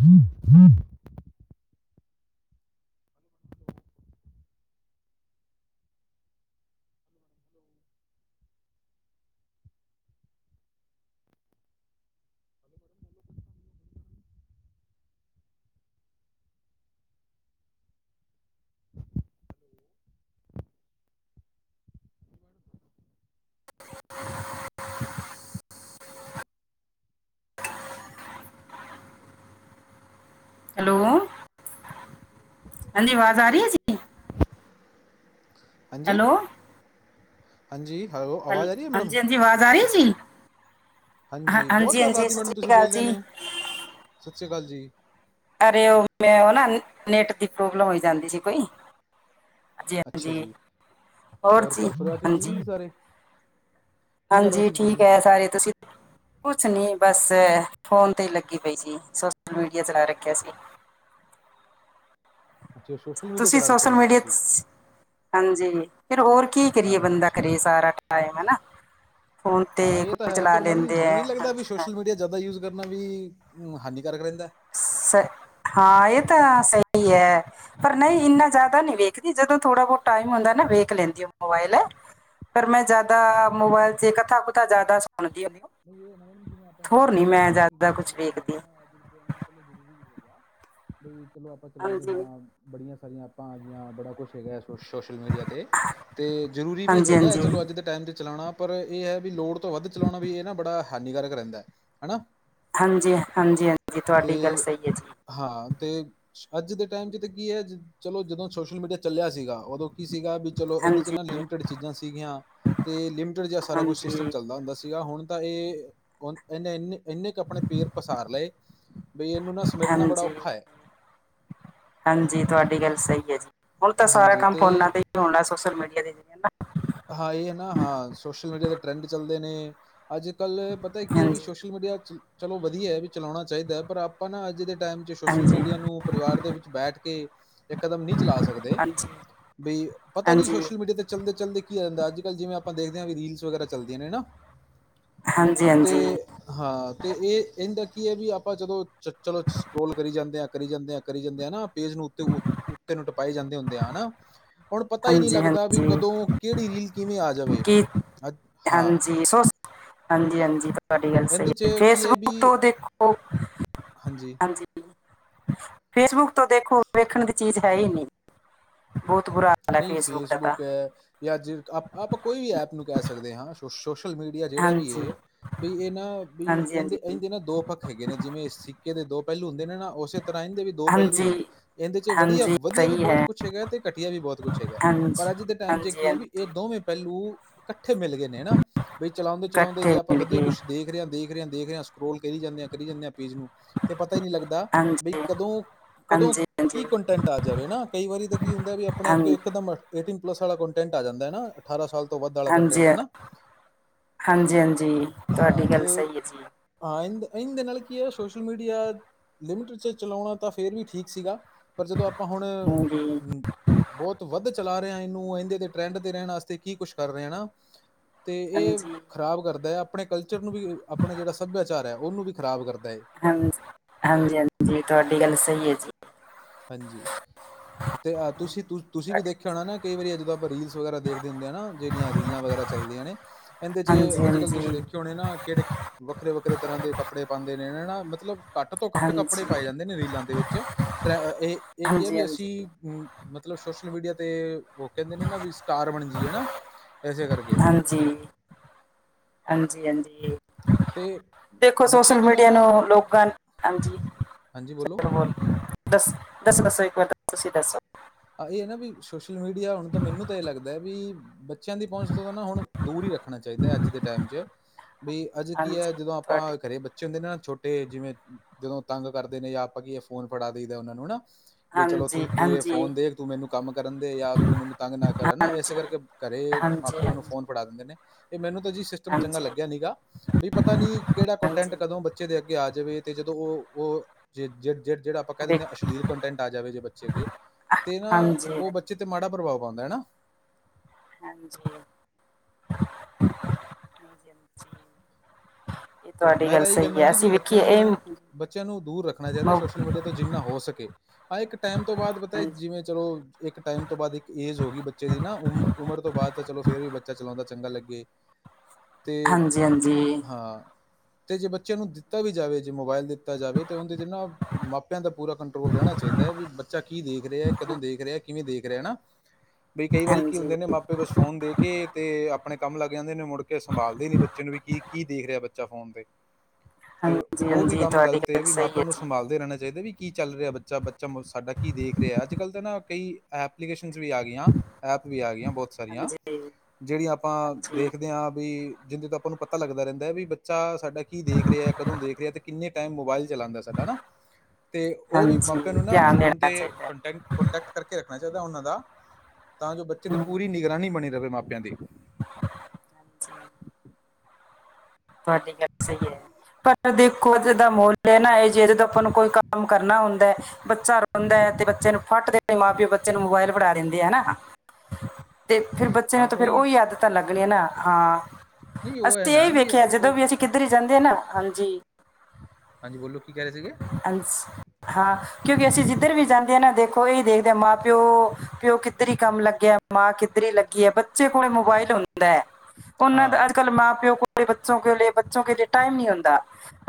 ਹਮ ਹਮ [inaudible] [inaudible] [inaudible] ਹਮ [inaudible] hello ੈ [inaudible] ਹ ਆਵਾਜ਼ ਆ ਰਹੀ ਹੈ ਸੀ ਬ ਹੈਲੋ ਹਾਂਜੀ ਹੈਲੋ ਹੈਲ- ਆਵਾਜ਼ ਆ ਰਹੀ ਹੈ ਮੈਡਮ ਹਾਂਜੀ ਹਾਂਜੀ ਆਵਾਜ਼ ਆ ਰਹੀ ਹੈ ਜੀ ਹਾਂ- ਹਾਂਜੀ ਬਹੁਤ ਹਾਂਜੀ ਦੇਰਾਲਾਤ ਸਤਿ ਮੈਡਮ ਸ਼੍ਰੀ ਤੁਸੀਂ ਅਕਾਲ ਬੋਲਦੇਿਆਂ ਜੀ ਨੇ ਸਤਿ ਸ੍ਰੀ ਅਕਾਲ ਜੀ ਅਰੇ ਉਹ ਮੈਂ ਉਹ ਨਾ ਨੈਟ ਦੀ ਪ੍ਰੋਬਲਮ ਹੋਈ ਜਾਂਦੀ ਸੀ ਕੋਈ ਹਾਂਜੀ ਅੱਛਾ ਹਾਂਜੀ ਜੀ ਹੋਰ ਚੀਜ਼ ਘਰ ਪਰਿਵਾਰ ਚ ਠੀਕ ਹਾਂਜੀ ਨੇ ਜੀ ਸਾਰੇ ਕੀ ਕਰ ਰਹੇ ਹਾਂਜੀ ਸੀ ਠੀਕ ਤੁਸੀਂ ਹੈ ਸਾਰੇ ਤੁਸੀਂ ਕੁਛ ਨੀ ਬਸ ਫੋਨ ਤੇ ਹੀ ਲੱਗੀ ਪਈ ਸੀੀ ਸੋਸ਼ਲ ਮੀਡੀਆ ਚਲਾ ਰੱਖਿਆ ਸੀ ਅੱਛਾ ਸੋਸ਼ਲ ਮੀਡੀਆ ਤੁਸੀਂ ਚਲਾ ਰੱਖਿਆ ਸੋਸ਼ਲ ਸੀ ਮੀਡੀਆ ਤੁਸੀਂ ਹਾਂਜੀ ਫਿਰ ਹੋਰ ਕੀ ਕਰੀਏ ਬੰਦਾ ਅੱਛਾ ਕਰੇ ਸਾਰਾ ਟਾਈਮ ਹਨਾ ਹਾਂ ਇਹ ਤਾਂ ਹੈ ਪਰ ਮੈ ਲੈਂਦੇ ਤੁਹਾਨੂੰ ਆ ਨੀ ਲੱਗਦਾ ਵੀ ਹਾਂਜੀ ਹਾਂ ਸੋਸ਼ਲ ਮੀਡੀਆ ਜ਼ਿਆਦਾ ਯੂਜ ਕਰਨਾ ਵੀ ਹਾਨੀਕਾਰਕ ਰਹਿੰਦਾ ਸ ਹਾਂ ਇਹ ਤਾਂ ਸਹੀ ਹੈ ਪਰ ਨਹੀਂ ਇੰਨਾ ਜ਼ਿਆਦਾ ਨਹੀਂ ਵੇਖਦੀ ਜਦੋਂ ਥੋੜ੍ਹਾ ਬਹੁਤ ਟਾਈਮ ਹੁੰਦਾ ਨਾ ਵੇਖ ਲੈਂਦੀ ਮੋਬਾਇਲ ਪਰ, ਮੈਂ ਜਿਆਦਾ ਮੋਬਾਇਲ ਚ ਕਥਾ ਕੁਥਾ ਜਿਆਦਾ ਸੁਣਦੀ ਹ। ਨਹੀਂ ਇਹ ਨਾ, ਮੈਮ ਜਿਵੇਂ ਆਪਾਂ ਕਹਿ ਸਕਦੇ ਹਾਂ ਵੀ ਸੋਸ਼ਲ ਮੀਡੀਆ ਕੁਛ ਜਿਹੜਾ ਹੈ ਵੇਖਦੀ ਨਾ ਚਲੋ ਜ਼ਰੂਰੀ ਵੀ ਹੋ ਗਿਆ। ਬਈ ਚਲੋ ਆਪਾਂ ਚਲਾਉਂਦੇ ਹਾਂਜੀ ਹਾਂ। ਬੜੀਆਂ ਸਾਰੀਆਂ ਆਪਾਂ ਆ ਗਈਆਂ ਬੜਾ ਕੁਛ ਹੈਗਾ ਸੋ ਸ਼ੋਸ਼ਲ ਮੀਡੀਆ 'ਤੇ ਅਤੇ ਜ਼ਰੂਰੀ ਵੀ ਹਾਂਜੀ ਹੈਗਾ ਹੈ। ਹਾਂਜੀ ਚਲੋ, ਅੱਜ ਦੇ ਟਾਈਮ 'ਤੇ ਚਲਾਉਣਾ ਪਰ ਇਹ ਹੈ, ਵੀ ਲੋੜ ਤੋਂ ਵੱਧ ਚਲਾਉਣਾ ਵੀ ਇਹ ਨਾ ਬੜਾ ਹਾਨੀਕਾਰਕ ਰਹਿੰਦਾ ਹੈ ਨਾ ਹਾਂਜੀ- ਹਾਂਜੀ- ਹਾਂਜੀ ਤੁਹਾਡੀ ਗੱਲ ਅਤੇ ਸਹੀ ਹੈ ਜੀ। ਹਾਂ ਤੇ ਅੱਜ ਦੇ ਟਾਈਮ ਚ ਤਾਂ ਕੀ ਹੈ, ਚਲੋ ਜਦੋਂ ਸੋਸ਼ਲ ਮੀਡੀਆ ਚੱਲਿਆ ਸੀਗਾ ਉਦੋਂ ਕੀ ਸੀਗਾ ਵੀ ਚਲੋ ਇਹਦੇ ' ਹਾਂਜੀ ਨਾ ਲਿਮਟਡ ਚੀਜ਼ਾਂ ਸੀਗੀਆਂ ਤੇ ਲਿਮਟਡ ਜਿਹਾ ਸਾਰਾ ਕੁਛ ਸਿਸਟਮ ਹਾਂਜੀ ਚੱਲਦਾ ਹੁੰਦਾ ਸੀਗਾ ਹੁਣ ਤਾਂ ਇਹ, ਉਹ ਇਹਨੇ ਇੰਨੇ- ਇੰਨੇ ਕੁ ਆਪਣੇ ਪੇਰ ਪਸਾਰ ਲਏ ਬਈ, ਇਹਨੂੰ ਨਾ ਸਮੇਟਣਾ ਬੜਾ ਹਾਂਜੀ ਔਖਾ ਹੈ। ਹਾਂਜੀ, ਤੁਹਾਡੀ ਗੱਲ ਸਹੀ ਹੈ ਜੀ, ਹੁਣ ਤਾਂ ਸਾਰਾ ਹਾਂਜੀ ਕੰਮ ਫੋਨਾ ਅਤੇ ਤੇ ਹੀ ਹੋਣਾ ਸੋਸ਼ਲ ਮੀਡੀਆ ਤੇ ਹਾਂ ਇਹ ਹੈ, ਨਾ ਹਾਂ, ਸੋਸ਼ਲ ਮੀਡੀਆ ਦੇ ਟਰੈਂਡ ਚੱਲਦੇ ਨੇ ਅੱਜ ਕੱਲ੍ਹ ਪਤਾ ਨਾ ਕੀ ਹੈ ਵੀ ਹਾਂਜੀ ਸੋਸ਼ ਸੋਸ਼ਲ ਮੀਡੀਆ ਚ ਚਲੋ ਵਧੀਆ ਹੈ, ਵੀ ਚਲਾਉਣਾ ਚਾਹੀਦਾ ਪਰ ਆਪਾਂ ਨਾ ਅੱਜ ਦੇ ਟਾਈਮ 'ਚ ਸੋਸ਼ਲ ਹਾਂਜੀ ਮੀਡੀਆ ਨੂੰ, ਪਰਿਵਾਰ ਦੇ ਵਿੱਚ ਬੈਠ ਕੇ ਕਦਮ ਨਹੀਂ ਚਲਾ ਸਕਦੇ, ਹਾਂਜੀ ਬਈ ਪਤਾ ਨਹੀਂ ਹਾਂਜੀ ਸੋਸ਼ਲ ਮੀਡੀਆ ਤੇ ਚਲਦੇ ਚਲਦੇ ਕੀ ਜਾਂਦਾ ਅੱਜ ਕੱਲ੍ਹ ਜਿਵੇਂ, ਆਪਾਂ ਦੇਖਦੇ ਹਾਂ ਵੀ ਰੀਲਸ ਵਗੈਰਾ ਚੱਲਦੀਆਂ ਨੇ ਹਨ ਨਾ ਹਾਂਜੀ ਤੇ ਹਾਂਜੀ ਹਾਂ, ਤੇ ਇਹ ਇਹਦਾ ਕੀ ਹੈ ਵੀ ਆਪਾਂ ਜਦੋਂ ਚਲੋ ਸਕਰੋਲ ਕਰੀ ਜਾਂਦੇ ਆ, ਕਰੀ ਜਾਂਦੇ ਆ, ਕਰੀ ਜਾਂਦੇ ਆ ਨਾ ਪੇਜ ਨੂੰ ਉੱਤੇ, ਉੱਤੇ ਨੂੰ ਟਪਏ ਜਾਂਦੇ ਹੁੰਦੇ ਆ ਹਨਾ ਹੁਣ ਪਤਾ ਹੀ ਨਹੀਂੀ ਹਾਂਜੀ ਲੱਗਦਾ ਵੀ ਹਾਂਜੀ ਕਦੋਂ ਕਿਹੜੀ ਰੀਲ ਕਿਵੇਂ ਆ ਜਾਵੇ ਕੀ ਅ ਹਾਂ [unintelligible] ਹਾਂਜੀ -ਹਾਂਜੀ ਤੁਹਾਡੀ ਗੱਲ ਸਹੀ ਇਹਦੇ 'ਚ ਹੈ, ਕੀ ਵੀ ਫੇਸਬੁੱਕ ਤੋਂ ਦੇਖੋ-, ਹਾਂਜੀ ਫੇਸਬੁੱਕ ਤੋਂ ਦੇਖੋ, ਵੇਖਣ ਦੀ ਚੀਜ਼ ਹੈ ਹੀ ਨ ਬਹੁਤ ਬੁਰਾ ਹਾਲ ਨਹੀਂ ਫੇਸਬੁੱਕ ਦਾਤਾ। ਹੈ ਜਾਂ ਜੇ ਆਪਾਂ ਕੋਈ ਵੀ ਐਪ ਨੂੰ ਕਹਿ ਸਕਦੇ ਹਾਂ, ਸ ਸੋਸ਼ਲ ਮੀਡੀਆ ਜਿਹੜਾ ਵੀ ਹਾਂਜੀ ਇਹ ਬ ਇਹ ਨਾ ਵੀ ਹਾਂਜੀ ਹਾਂਜੀ ਇਹਿੰਦੇ -ਇਹਿੰਦੇ ਨਾ ਦੋ ਪੱਕ ਹੈਗੇ ਨੇ ਜਿਵੇਂ ਸਿੱਕੇ ਦੇ ਦੋ ਪਹਿਲੂ ਹੁੰਦੇ ਨੇ ਨਾ ਉਸੇ ਤਰ੍ਹਾਂ ਇਹਦੇ ਵੀ ਦੋ ਪਹਿਲੂ ਹੀ ਨੇ, ਹਾਂਜੀ ਇਹਦੇ ਚ ਵਧੀਆ- ਹਾਂਜੀ ਵਧੀਆ ਵੀ ਸਹੀ ਬਹੁਤ ਹੈ ਕੁੱਛ ਹੈਗਾ, ਤੇ ਘਟੀਆ ਵੀ ਬਹੁਤ ਕੁਛ ਹੈਗਾ, ਪਰ ਹਾਂਜੀ ਅੱਜ ਦੇ ਟਾਈਮ ਚ ਹਾਂਜੀ ਕੀ ਹੈ ਵੀ ਹਾਂਜੀ ਇਹ ਦੋਵੇਂ ਪਹਿਲੂ ਇਕੱਠੇ ਮਿਲ ਗਏ ਨੇ ਹਨਾ ਬਈ, ਚਲਾਉਂਦੇ- ਚਲਾਉਂਦੇ ਇਕੱਠੇ ਜੇ ਆਪਾਂ ਮਿਲ ਵਧੀਆ ਗਏ ਕੁੱਛ ਦੇਖ ਰਹੇ ਹਾਂ ਦੇਖ ਦੇ ਰਿ ਦੇਖ ਰਿਹਾ ਸਕਰੋਲ ਕਰੀ ਜਾਂਦੇ ਆ, ਕਰੀ ਜਾਂਦੇ ਆ, ਪੇਜ ਨੂੰ ਤੇ ਪਤਾ ਹੀ ਨਹੀਂੀ ਲੱਗਦਾ ਬਈ ਹਾਂਜੀ ਕਦੋਂ ਕਦੋਂ ਹਾਂਜੀ ਹਾਂਜੀ ਕੀ ਕੰਟੈਂਟ ਆ ਜਾਵੇ ਨਾ, ਕਈ ਵਾਰੀ ਤਾਂ ਕੀ ਹੁੰਦਾ ਵੀ ਹਾਂ- ਅਠਾਰਾਂ ਪਲਸ ਵਾਲਾ ਕੰਟੈਂਟ ਆ ਜਾਂਦਾ ਨਾ, ਅਠਾਰਾਂ ਸਾਲ ਤੋਂ ਵੱਧ ਵਾਲਾ ਹਾਂਜੀ ਕੰਟੈਂਟ ਹ ਹਾਂਜੀ- ਹਾਂਜੀ ਤੁਹਾਡੀ ਤੇ ਗੱਲ ਸਹੀ ਹੈ ਜੀ ਹਾਂ, ਇੰਨਦ ਇਨ ਦੇ ਨਾਲ ਕੀ ਹੈ ਸੋਸ਼ਲ ਮੀਡੀਆ ਲਿਮਿਟ 'ਚ ਚਲਾਉਣਾ ਤਾਂ ਫਿਰ ਵੀ ਠੀਕ ਸੀਗਾ ਪਰ ਜਦੋਂ ਆਪਾਂ ਹੁਣ, ਹਾਂਜੀ ਬਹੁਤ ਵੱਧ ਚਲਾ ਰਿਹਾ ਇਹਨੂੰਦੇ ਦੇ ਟਰੈਂਡ ਤੇ ਰਹਿਣ ਵਾਸਤੇ ਕੀ ਕੁਛ ਕਰ ਰਹੇਾ ਤੇ ਇਹ ਹਾਂਜੀ ਖ਼ਰਾਬ ਕਰਦਾ ਹੈ, ਆਪਣੇ ਕਲਚਰ ਨੂੰ ਵੀ, ਆਪਣੇ ਜਿਹੜਾ ਸੱਭਿਆਚਾਰ ਹੈ, ਉਹਨੂੰ ਵੀ ਖ਼ਰਾਬ ਕਰਦਾ ਹੈ। ਹਾਂ, ਹਾਂਜੀ -ਹਾਂਜੀ ਤੁਹਾਡੀ ਗੱਲ ਸਹੀ ਹੈ ਜੀ ਹਾਂਜੀ। ਤੇਹ ਤੁਸੀਂ ਤੁਂ ਤੁਸੀਂ ਵੀ ਤੁਹਾਡੀ ਦੇਖਿਆ ਹੋਣਾ ਨਾ, ਕਈ ਵਾਰੀ ਜਦੋਂ ਆਪਾਂ ਰੀਲਸ ਵਗੈਰਾ ਦੇਖਦੇ ਹੁੰਦੇ ਆ ਨਾ, ਜਿਹੜੀਆਂ ਰੀਲਾਂ ਵਗੈਰਾ ਚੱਲਦੀਆਂ ਨੇ ਇਹਦੇ 'ਚ ਹਾਂਜੀ ਅੱਜ ਕੱਲ੍ਹ ਤੁਸੀਂ ਹਾਂਜੀ ਦੇਖਿ ਹੋਣੇ ਨਾ, ਕਿਹੜੇ ਵੱਖਰੇ- ਵੱਖਰੇ ਤਰ੍ਹਾਂ ਦੇ ਕੱਪੜੇ ਪਾਉਂਦੇ ਨੇ ਨਾ ਮਤਲਬ ਘੱਟ ਤੋਂ ਘੱਟ ਕੱਪੜੇ ਹਾਂਜੀ ਪਾਏ ਜਾਂਦੇ ਨੇ, ਰੀਲਾਂ ਦੇ ਵਿੱਚ ਟ ਇਹ -ਇਹ ਕੀ ਹੈ ਹਾਂਜੀ ਵੀ ਹਾਂਜੀ ਅਸੀਂ ਅ ਮਤਲਬ ਸੋਸ਼ਲ ਮੀਡੀਆ ਤੇ ਉਹ ਕਹਿੰਦੇ ਨੇ ਨਾ, ਵੀ ਸਟਾਰ ਬਣ ਜਾਏਾ ਇਸੇ ਕਰਕੇ ਹਾਂਜੀ -ਹਾਂਜੀ ਤੇ ਦੇਖੋ ਬੱਚਿਆਂ ਸੋਸ਼ਲ ਤੋਂ ਤਾਂ ਮੀਡੀਆ ਨਾ ਨੂੰ ਲੋਕਾਂ, ਹਾਂਜੀ ਹਾਂਜੀ ਬੋਲੋ। ਬੋਲ ਦੱਸ, ਦੱਸੋ-ਦੱਸੋ ਇੱਕ ਵਾਰ ਦ ਤੁਸੀ ਦੱਸੋ ਇਹ ਨਾ ਵੀ ਸੋਸ਼ਲ ਮੀਡੀਆ ਹੁਣ ਤਾਂ ਮੈਨੂੰ ਤਾਂ ਇਹ ਲੱਗਦਾ ਵੀ ਬੱਚ ਬੱਚਿਆਂ ਦੀ ਪਹੁੰਚ ਤੋਂ ਤਾਂ ਹੁਣ ਦੂਰ ਹੀ ਰੱਖਣਾ ਚਾਹੀਦਾ ਹੈ ਅੱਜ ਦੇ ਟਾਈਮ ਚ ਬੀ ਅੱਜ ਕੀ ਹੈ ਹਾਂਜੀ ਜਦੋਂ ਤੁਹਾਡੀ ਆਪਾਂ ਕਰੇ ਬੱ ਚੇ ਹੁੰਦੇ ਨੇ ਛੋਟੇ ਜਿਵੇਂ ਜਦੋਂ ਤੰਗ ਕਰਦੇ ਨੇ ਜਾਂ ਆਪਾਂ ਕੀ ਇਹ ਫੋਨ ਫੜਾ ਦੇਦਾ ਉਹ ਨੂੰ ਹਨਾ ਬਈ ਚਲੋ ਹਾਂਜੀ ਤੂੰ ਤੂੰ ਏਫ ਹਾਂਜੀ ਫ਼ੋਨ ਦੇਖ ਤੂੰ ਮੈਨੂੰ ਕੰਮ ਕਰਨ ਦੇ ਜਾਂ ਤੂੰ ਮੈਨੂੰ ਤੰਗ ਨਾ ਕਰ ਨਾ ਇਸੇ ਹਾਂਜੀ ਹਾਂਜੀ ਕਰਕੇ ਘਰੇ ਹਾਂਜੀ ਮਾਪੇ ਨੂੰ ਫੋਨ ਪੜਾ ਦਿੰਦੇ ਨੇ ਇਹ ਮੈਨੂੰ ਤਾਂ ਜੀ ਸਿਸਟਮ ਚੰਗਾ ਹਾਂਜੀ ਲੱਗਿਆ ਨੀਗਾ, ਬਈ ਪਤਾ ਨੀ ਕਿਹੜਾ ਕੰਟੈਂਟ ਹਾਂਜੀ ਕਦੋਂ ਬੱਚੇ ਦੇ ਅੱਗੇ ਆ ਜਾਵੇ ਤੇ ਜਦੋਂ ਉਹ ਜਿਹੜਾ ਆਪਾਂ ਕਹਿ ਵੇਖ ਦਿੰਦੇ ਹਾਂ ਅਸ਼ਲੀਲ ਕੰਟੈਂਟ ਆ ਜਾਵੇ, ਤੇ ਬੱਚੇ ਅੱ ਤੇ ਨਾ ਹਾਂਜੀ ਉਹ ਬੱਚੇ ਹਾਂਜੀ ਤੇ ਮਾੜਾ ਪ੍ਰਭਾਵ ਪਾਉਂਦਾ ਹਨਾ ਹਾਂਜੀ-ਹਾਂਜੀ-ਹਾਂਜੀ [inaudible] ਤੇ ਮੈਂ ਤਾਂ ਇਹ ਕਹਿੰਦਾ ਜੀ ਵੀ ਅਸੀਂ ਬੱਚਿਆਂ ਵੇਖੀਏ ਇਹ ਨੂੰ, ਬੱਚਿਆਂ ਨੂੰ ਦੂਰ ਰੱਖਣਾ ਚਾਹੀਦਾ ਮੋ- ਸੋਸ਼ਲ ਮੀਡੀਆ ਤੋਂ ਜਿੰਨਾ ਹੋ ਸਕੇ, ਆਹ ਇੱਕ ਟਾਈਮ ਤੋਂ ਬਾਅਦ ਪਤਾਏ ਹਾਂਜੀ ਜਿਵੇਂ ਚਲੋ ਇੱਕ ਟਾਈਮ ਤੋਂ ਬਾਅਦ ਇੱਕ ਏਜ ਹੋ ਗਈ ਬੱਚੇ ਦੀ ਨਾ ਉਮਰ ਤੋਂ ਬਾਅਦ ਤਾਂ ਚਲੋ ਫੇਰ ਵੀ ਬੱਚਾ ਚਲਾਉਂਦਾ ਚੰਗਾ ਲੱਗੇ। ਤੇ ਹਾਂਜੀ ਹਾਂਜੀ ਹਾਂ। ਤੇ ਜੇ ਬੱਚਿਆਂ ਨੂੰ ਦਿੱਤਾ ਵੀ ਜਾਵੇ ਜੇ ਮੋਬਾਇਲ ਦਿੱਤਾ ਜਾਵੇ ਤਾਂ ਉਹਦੇ ਜ ਨਾ ਮਾਪਿਆਂ ਦਾ ਪੂਰਾ ਕੰਟਰੋਲ ਰਹਿਣਾ ਚਾਹੀਦਾ ਹੈ ਵੀ ਬੱਚਾ ਕੀ ਦੇਖ ਰਿਹਾ ਕਦੋਂ ਦੇਖ ਰਿਹਾ ਕਿਵੇਂ ਦੇਖ ਰਿਹਾ ਹਨਾ। ਬਈ ਕਈ ਵਾਰੀ ਕੀ ਹਾਂਜੀ ਹੁੰਦੇ ਨੇ ਮਾਪੇ ਬਸ ਫੋਨ ਦੇ ਕੇ ਤੇ ਆਪਣੇ ਕੰਮ ਲੱਗ ਜਾਂਦੇ ਨੇ ਮੁ ੜ ਕੇ ਸੰਭਾਲਦੇ ਨੀ ਬੱਚੇ ਨੂੰ ਵੀ ਕੀ-ਕੀ ਦੇਖ ਰਿਹਾ ਬੱਚਾ ਫੋਨ ਤੇ ਤੇ ਹਾਂਜੀ ਉਹ ਵੀ ਹਾਂਜੀ ਕੰਮ ਤੁਹਾਡੀ ਗਲਤ ਹੈ ਗੱਲ ਵੀ ਸਹੀ ਮਾਪਿਆਂ ਨੂੰ ਜੀ ਸੰਭਾਲਦੇ ਰਹਿਣਾ ਚਾਹੀਦਾ ਵੀ ਕੀ ਚੱਲ ਰਿਹਾ ਬੱਚਾ-ਬੱਚਾ ਸਾਡਾ ਕੀ ਦੇਖ ਰਿਹਾ ਅੱਜ-ਕੱਲ੍ਹ ਤਾਂ ਨਾ ਕਈ ਐਪਲੀਕੇਸ਼ਨ ਵੀ ਆ ਗਈਆਂ ਐਪ ਵੀ ਆ ਗਈਆਂ ਬਹੁਤ ਸਾਰੀਆਂ। ਹਾਂਜੀ ਜਿਹੜੀਆਂ ਆਪਾਂ ਹਾਂਜੀ ਦੇਖਦੇ ਹਾਂ ਵੀ ਜਿਦੇ ਤੋਂ ਆਪਾਂ ਨੂੰ ਪਤਾ ਲੱਗਦਾ ਰਹਿੰਦਾ ਵੀ ਬੱਚਾ ਸਾਡਾ ਕੀ ਦੇਖ ਰਿਹਾ ਕਦੋਂ ਦੇਖ ਰਿਹਾ ਤੇ ਕਿੰਨੇ ਟਾਈਮ ਮੋਬਾਇਲ ਚਲਾਂਦਾ ਸਾਡਾ ਨਾ। ਤੇ ਉਹ ਵੀ ਹਾਂਜੀ ਮਾਪਿਆਂ ਨੂੰ ਨਾ ਧਿਆਨ ਫੋਨ ਤੇ ਦੇਣਾ ਚਾਹੀਦਾ ਕੰਟੈਕਟ ਕੋਟੈਕਟ ਕਰਕੇ ਰੱਖਣਾ ਚਾਹੀਦਾ ਉਹਨਾਂ ਦਾ ਤਾਂ ਜੋ ਬੱਚੇ ਤੇ ਹਮ ਪੂਰੀ ਨਿਗਰਾਨੀ ਬਣੀ ਰਹੇ ਮਾਪਿਆਂ ਦੀ। [inaudible] ਤੁਹਾਡੀ ਗੱਲ ਸਹੀ ਹੈ ਪਰ ਦੇਖ ਦਾ ਮੁੱਲ ਹੈ ਨਾ ਇਹ ਜੇ ਆਪਾਂ ਨੂੰ ਕੋਈ ਕੰਮ ਕਰਨਾ ਹੁੰਦਾ ਹੈ। ਬੱਚਾ ਰੋਂਦਾ ਹੈ ਤੇ ਬੱਚੇ ਨੂੰ ਫੱਟ ਦੇਦੇ ਮਾਂ ਪਿਓ ਬੱਚੇ ਨੂੰ ਮੋਬਾਇਲ ਫੜਾ ਦਿੰਦੇ ਹੈ ਹਨਾ। ਤੇ ਫੇਰ ਬੱਚੇ ਨੂੰ ਹਾਂ ਤਾਂ ਫਿਰ ਉਹੀ ਉਹ ਆਦਤਾਂ ਲੱਗਣੀਆਂ ਨਾ ਹਾਂ ਨਹੀਂ ਉਹ ਹੈ ਅਸੀਂ ਇਹੀ ਨਾ ਵੇ ਵੀ ਉਹ ਕਿੱਧਰ ਹੀ ਜਾਂਦੇ ਆ ਨਾ ਹਾਂਜੀ। ਹਾਂਜੀ ਬੋਲੋ ਕੀ ਕਹਿ ਰਹੇ ਸੀਗੇ। ਹਾਂ ਕਿਉਂਕਿ ਅਸੀਂ ਜਿੱਧਰ ਵੀ ਜਾਂਦੇ ਹਾਂ ਨਾ ਦੇਖੋ ਇਹੀ ਦੇਖਦੇ ਹਾਂ ਮਾਂ ਪਿਓ ਪਿਓ ਕਿੱਧਰ ਕੰਮ ਲੱਗਿਆ ਮਾਂ ਕਿੱਧਰੀ ਲੱਗੀ ਹੈ ਬੱਚੇ ਕੋਲ ਮੋਬਾਇਲ ਹੁੰਦਾ। ਉਹਨਾਂ ਦਾ ਹਾਂ ਅੱਜ-ਕੱਲ੍ਹ ਮਾਂ ਪਿਓ ਕੋ ਬੱਚੋ-ਬੱਚੋ ਲੀਏ ਟਾਈਮ ਨੀ ਹੁੰਦਾ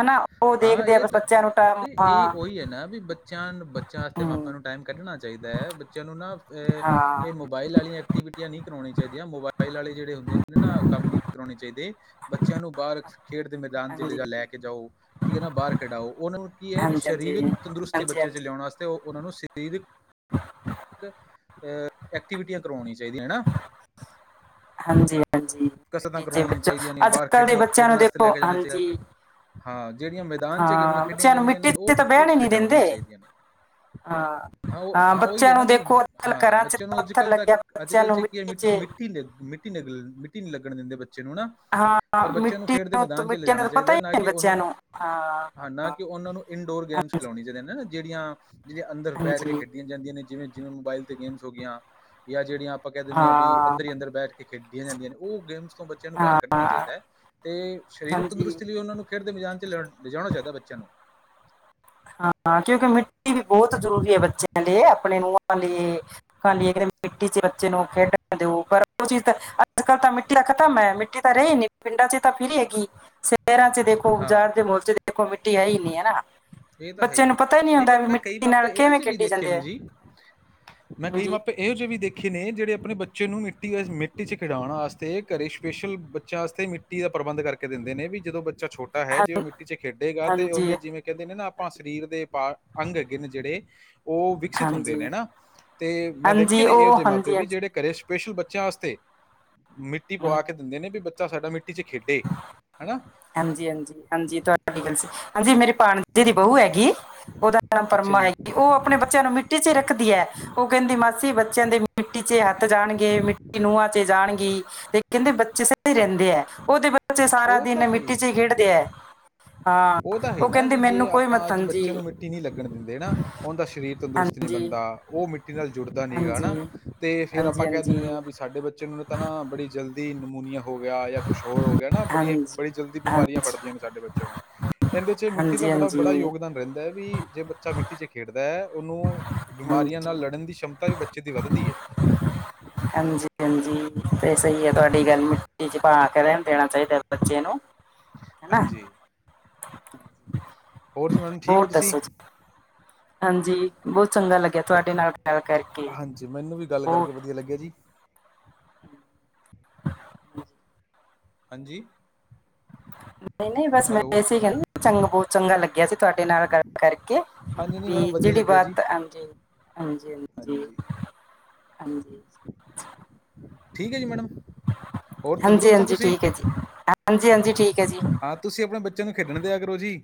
ਹਨਾ। ਉਹ ਹਾਂ ਦੇਖਦੇ ਆ ਇਹ ਬਸ ਬੱਚਿਆਂ ਨੂੰ ਟਾਈਮ ਤੇ ਇਹ ਹਾਂ ਉਹੀ ਹੈ ਨਾ ਵੀ ਬੱਚ ਬੱਚਿਆਂ ਵਾਸਤੇ ਮਾਪਿਆਂ ਹਮ, ਨੂੰ ਟਾਈਮ ਕੱਢਣਾ ਚਾਹੀਦਾ ਹੈ ਬੱਚਿਆਂ ਨੂੰ ਨਾ ਅ ਹਾਂ ਇਹ ਮੋਬਾਈਲ ਵਾਲੀਆਂ ਐਕਟੀਵਿਟੀਆਂ ਨਹੀਂ ਕਰਵਾਉਣੀਆਂ ਚਾਹੀਦੀਆਂ ਮੋਬਾਇਲ ਵਾਲੇ ਜਿਹੜੇ ਹੁੰਦੇ ਨੇ ਨਾ ਕੰਮ ਨਹੀਂ ਕਰਾਉਣੇ ਚਾਹੀਦੇ। ਬੱਚਿਆਂ ਨੂੰ ਬਾਹਰ ਖੇਡ ਦੇ ਮੈਦਾਨ 'ਚ ਹਾਂਜੀ ਜਾ ਲੈ ਕੇ ਜਾਓ। ਠੀਕ ਹੈ ਨਾ ਬਾਹਰ ਖਿਡਾਓ ਉਹਨਾਂ ਨੂੰ ਕੀ ਹਾਂਜੀ ਹੈ ਵੀ ਸਰੀਰਕ ਹਾਂਜੀ ਤੰਦਰੁਸਤੀ ਹਾਂਜੀ ਬੱਚਿਆਂ 'ਚ ਹਾਂਜੀ ਲਿਆਉਣ ਵਾਸਤੇ ਉਹਨਾਂ ਨੂੰ ਸ਼ਰੀਰ ਐਕਟੀਵਿਟੀਆਂ ਕਰਵਾਉਣੀਆਂ ਚਾਹੀਦੀਆਂ ਹੈਨਾ। ਹਾਂਜੀ ਹਾਂਜੀ ਕਸਰਤਾਂ ਮਿੱਟੀ 'ਚ ਕਰਵਾਉਣੀਆਂ ਬੱਚੋ ਚਾਹੀਦੀਆਂ ਨੇ ਅੱਜ ਬਾਹਰ ਕੱਲ ਦੇ ਬੱਚਿਆਂ ਖੇਡਣ-ਖੇਡਣ ਨੂੰ ਆਸਤੇ ਲੈ ਦੇਖੋ ਕੇ ਜਾਣਾ ਚਾਹੀਦਾ। ਹਾਂਜੀ ਹਾਂ ਜਿਹੜੀਆਂ ਮੈਦਾਨ 'ਚ ਗੇਮਾਂ ਹਾਂ ਖੇਡੀਆਂ ਬੱਚਿਆਂ ਨੂੰ ਜਾਂਦੀਆਂ ਮਿੱਟੀ ਨੇ 'ਚ ਤਾਂ ਬਹਿਣ ਉਹ-ਉਹ ਹੀ ਨਹੀਂ ਖਿਡਾਉਣੀਆਂ ਦਿੰਦੇ ਚਾਹੀਦੀਆਂ ਨੇ। ਹਾਂ ਉਹ ਹਾਂ ਉਹੀ ਬੱਚਿਆਂ ਹੈ ਨਾ ਨੂੰ ਦੇਖੋ ਅੱਜ ਕੱਲ ਹਾਂ ਘਰਾਂ ਚ ਬੱਚਿਆਂ ਨੂੰ ਪੱਥਰ ਅੱਜ-ਕੱਲ ਤਾਂ ਲੱਗਿਆ ਬੱਚਿਆਂ ਅੱਜ-ਕੱਲ੍ਹ 'ਚ ਨੂੰ ਕੀ ਹੈ ਮਿੱਟੀ ਚ ਮਿੱਟੀ-ਮਿੱਟੀ, ਮਿੱਟੀ-ਮਿੱਟੀ ਲੱਗਣ ਦਿੰਦੇ ਬੱਚੇ ਨੂੰ ਨਾ। ਹਾਂ ਪਰ ਬੱਚਿਆਂ ਨੂੰ ਮਿੱਟੀ ਖੇਡ ਦੇ ਤਾਂ ਮੈਦਾਨ 'ਚ ਮਿੱਟੀਆਂ ਦਾ ਲਿਜਾਣਾ ਤਾਂ ਪਤਾ ਚਾਹੀਦਾ ਹੀ ਨਾ ਕਿ ਨਹੀਂ ਉਹਨਾਂ ਬੱਚਿਆਂ ਨੂੰ ਹਾਂ ਨਾ ਕਿ ਉਹਨਾਂ ਨੂੰ ਇਨਡੋਰ ਗੇਮਸ ਹਾਂਜੀ ਖਿਲਾਉਣ ਇੰਝ ਕਹਿੰਦੇ ਜੇੜੀਆਂ-ਜੇੜੀਆ ਅੰਦਰ ਬੈਠ ਕੇ ਹਾਂਜੀ ਖੇਡੀਆਂ ਜਾਂਦੀਆਂ ਨੇ ਜਿਵੇਂ- ਜਿਵੇਂ ਮੋਬਾਈਲ ਤੇ ਗੇਮਜ਼ ਹੋ ਗੀਆਂ। ਜਾਂ ਜਿਹੜੀਆਂ ਆਪਾਂ ਕਹਿ ਦਿੰਦੇ ਹਾਂ ਵੀ ਅੰਦਰ ਹੀ ਅੰਦਰ ਬੈਠ ਕੇ ਖੇਡੀਆਂ ਜਾਂਦੀਆਂ ਨੇ ਉਹ ਗੇਮਸ ਤੋਂ ਬੱਚਿਆਂ ਨੂ ਬਾਰ ਕੱਢਨਾ ਹਾਂ ਚਾਹੀਦਾ ਤੇ ਸ਼ਰੀਰਕ ਹਾਂਜੀ ਤੰਦਰੁਸਤੀ ਲਈ ਓਨਾਂ ਨੂ ਖੇਡ ਦੇ ਮੇਜ਼ਾਨ 'ਚ ਲੈ, ਲਿਜਾਣਾ ਚਾਹੀਦਾ ਬੱਚਿਆਂ ਨੂੰ ਹਾਂ ਕਿਉਂਕਿ ਮਿੱਟੀ ਵੀ ਬੋਤ ਜਰੂਰੀ ਏ ਬੱਚਿਆਂ ਲਈਏ ਅਪਣੇ ਨੂੰਆਂ ਲਈਏ। [unintelligible] ਮਿੱਟੀ 'ਚ ਬੱਚੇ ਨੂ, ਖੇਡਣ ਦੇਓ, ਪਰ ਓ ਚੀਜ ਤਾਂ ਅਜ ਕਲ ਤਾਂ ਮਿੱਟੀਆਂ ਖਤਮੈ ਮਿੱਟੀ ਤਾਂ ਰਈ ਨੀ ਪਿੰਡਾਂ 'ਚ ਤਾਂ ਫਿਰ ਹੈਗੀ ਸਹਿਰਾਂ 'ਚ ਦੇਖੋ ਹਾਂ ਬਾਜਾਰ ਦੇ ਮੋਲ 'ਚ ਦੇਖੋ ਮਿੱਟੀ ਹੈ ਈ ਨੀ ਹੈਨਾ। ਇਹ ਤਾਂ ਹੈਈ ਜੀ ਨਈ ਪਰ ਮੈਂ ਕਈ ਨਾਲ ਮਾਪੇ ਇਹੋ ਕਿਵੇਂ ਜੇ ਵੀ ਖੇਡੀ ਦੇਖੇ ਜਾਂਦੇ ਨੇ ਆ ਜੀ ਮੈਂ ਕਈ ਹਾਂਜੀ ਮਾਪੇ ਇਹੋ ਜੇ ਵੀ ਦੇਖੇ ਨੇ ਜਿਹੜੇ ਅਪਣੇ ਬੱਚੇ ਨੂੰ ਮਿੱਟੀ ਵਿਚ ਮਿੱਟੀ 'ਚ ਖਿਡਾਣ ਆਸਤੇ ਘਰੇ ਸਪੇਸ਼ਲ ਬੱਚਿਆਂ ਆਸਤੇ ਮਿੱਟੀ ਦਾ ਪ੍ਰਬੰਧ ਕਰਕੇ ਦੇੰਦੇ ਨੇ ਬਈ ਜਦੋਂ ਬੱਚਾ ਛੋਟਾ ਤਾਂ ਹੈ ਹਾਂ- ਜੇ ਓ ਮਿੱਟੀ ਇਚ ਖੇਡੇਗਾ ਤੇ ਓਂਦੇ ਹਾਂਜੀ ਜਿਵੇਂ ਕੈਂਦੇ ਨੇ ਨਾ ਆਪਾਂ ਸਰੀਰ ਦੇ ਬਾ, ਅੰਗ ਹੈਗੇ ਨੇ ਜੇੜੇ ਓ ਹਾਂਜੀ [unintelligible] ਤੇ ਮੈਂ ਦੇਖੇ ਹਾਂਜੀ ਨੇ, ਇਓ ਉਹ ਜੇ ਮਾਪੇ ਹਾਂਜੀ ਵੀ ਹਾਂਜੀ ਜੇੜੇ ਘਰੇ ਸਪੈਸ਼ਲ ਬੱਚਿਆਂ ਆਸਤੇ, ਮਿੱਟੀ ਹਮ, ਪਵਾ ਕੇ ਦਿੰਦੇ ਨੇ ਬੀ ਬੱਚਾ ਸਾਡਾ ਮਿੱਟੀ ਇਚ ਖੇਡੇ, ਹਣਾ। ਹਾਂਜੀ, ਹਾਂਜੀ, ਹਾਂਜੀ ਤੁਆਡੀ ਗੱਲ ਸੀ, ਹਾਂਜੀ ਮੇਰੇ ਭਾਣਜੇ ਦੀ ਬਹੁੂ ਹੈਗੀ, ਓਦਾ ਨਾਮ ਅੱਛਾ ਪਰਮਾ ਏ, ਜੀ ਓ ਅਪਣੇ ਬੱਚਿਆਂ ਨੂੰ ਮਿੱਟੀ ਇਚ ਰੱਖਦੀ ਐ ਓ ਕਹਿੰਦੀ ਮਾਸੀ ਬੱਚਿਆਂ ਦੇ ਮਿੱਟੀ 'ਚ ਹੱਥ ਜਾਣਗੇ ਮਿੱਟੀ ਨੂਆਂ 'ਚ ਜਾਣਗੀ। ਤੇ ਕਹਿੰਦੇ ਬੱਚੇ ਸਈ ਰਹਿੰਦੇ ਐ ਓਦੇ ਬੱਚੇ ਸਾਰਾ ਉਹ ਤਾਂ ਦਿਨ ਮਿੱਟੀ ਇਚ ਖੇਡਦੇ ਐ। ਓ ਤਾਂ ਹੈਈ ਨਾ ਵੀ ਜੇ ਆਪਾਂ ਮਤ ਅਜ ਹਾਂਜੀ ਬੱਚੇ ਨੂੰ ਮਿੱਟੀ ਨੀ ਲਗਨ ਦੇਂਦੇ ਨਾ ਓੰਦਾ ਸ਼ਰੀਰ ਤੰਦਰੁਸਤ ਨੀ ਹਾਂਜੀ ਬਨਦਾ, ਓ ਮਿੱਟੀ ਨਾਲ ਜੁੜਦਾ ਨੀਗਾ ਹਾਂਜੀ, ਨਾਂ, ਤੇ ਫੇਰ ਆਪਾਂ ਕੈ ਹਾਂਜੀ-ਹਾਂਜੀ, ਦੇਨੇ ਆਂ ਵੀ ਸਾਡੇ ਬੱਚੇ ਨੂ ਤਾਂ ਨਾ ਬੜੀ ਜਲਦੀ ਤੇ ਨਿਮੋਨੀਆ ਹੋ ਗਿਆ ਜਾ ਕੁਛ ਹੋਰ ਹੋ ਗਿਆ ਨਾ ਹਾਂਜੀ। ਬੜੀਆਂ, ਹਾਂਜੀ, ਬੜੀ ਜਲਦੀ ਬਿਮਾਰੀਆਂ ਫੜਦੀਆਂ ਨੇ ਸਾਡੇ ਬੱਚੇ ਨੂੰ ਏਂਦੇ ਇਚ ਮਿੱਟੀ ਦਾ ਬੜਾ, ਬੜਾ ਹਾਂਜੀ-ਹਾਂਜੀ, ਯੋਗਦਾਨ ਰੈਂਦੈ ਵੀ, ਜੇ ਬੱਚਾ ਮਿੱਟੀ ਚ ਖੇਡਦੈ ਓਨੂ ਬਿਮਾਰੀਆਂ ਨਾਲ ਹਾਂਜੀ। ਲੜਨ ਦੀ ਸਮਤਾ ਵੀ ਬੱਚੇ ਦੀ ਵੱਧਦੀ ਏ। ਹਾਂਜੀ, ਹਾਂਜੀ ਤੇ ਸਈ ਏ ਤੂਆਡੀ ਗੱਲ ਮਿੱਟੀ ਇਚ ਬਾਅ ਕੇ ਦੇਣਾ ਚਾਈਦਾ ਬੱਚੇ ਨੂੰ। ਹਨਾ, ਹਾਂਜੀ, ਹੋਰ ਜੀ ਮੈਮ ਠੀਕੋ ਹੋਰ ਤੂਸੀ? ਦੱਸੋ ਜੀ? ਹਾਂਜੀ, ਬੋਤ ਚੰਗਾ ਲਗਿਆ ਤੁਆਡੇ ਨਾਲ ਗਾਲ ਕਰਕੇ, ਹਾਂਜੀ ਮੈਨੂੰ ਵੀ ਗੱਲ ਬੋਤ। ਕਰਕੇ ਵਧੀਆ ਲਗਿਆ ਜੀ। [inaudible] ਹਾਂਜੀ। ਨਈ, ਨਈ ਬਸ ਮੈਂ ਹੈਲੋ ਏਸੇ ਕੈਂਦੀ ਚੰਗ ਬੋਤ ਚੰਗਾ ਲੱਗਿਆ ਸੀ, ਤੁਆਡੇ ਨਾਲ ਗੱਲ ਕਰਕੇ, ਹਾਂਜੀ ਨਹੀਂ ਮੈਡਮ ਵੀ ਵਧੀਆ ਜੇੜੀ ਲੱਗਿਆ ਜੀ। ਬਾਤ ਹਾਂਜੀ, ਹਾਂਜੀ, ਹਾਂਜੀ। ਹਾਂਜੀ। ਠੀਕੇ ਜੀ ਮੈਡਮ। ਹੋਰ ਹਾਂਜੀ, ਤੰਦਰੁਸਤ ਹੋ ਹਾਂਜੀ ਤੁਸੀਂ ਠੀਕ ਜੀ ਹਾਂਜੀ, ਹਾਂਜੀ ਠੀਕ ਜੀ। ਹਾਂ, ਤੂਸੀ ਅਪਣੇ ਬੱਚੇਆਂ ਨੂੰ ਖੇਡਣ ਦਿਆ ਕਰੋ ਜੀ।